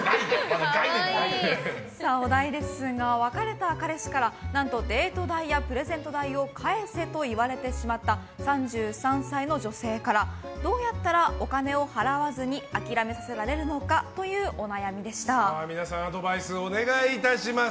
お題ですが別れた彼氏から何とデート代やプレゼント代を返せと言われてしまった３３歳の女性からどうやったらお金を払わずに諦めさせられるのかという皆さんアドバイスお願いします。